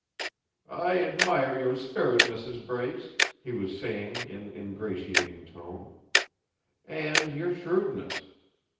"I admire your spirit, Mrs. Brace," he was saying, in ingratiating tone; "and your shrewdness.